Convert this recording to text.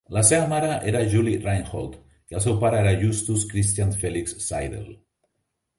La seva mare era Julie Reinhold i el seu pare era Justus Christian Felix Seidel.